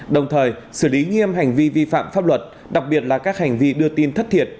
đồng thời xử lý nghiêm hành vi vi phạm pháp luật đặc biệt là các hành vi đưa tin thất thiệt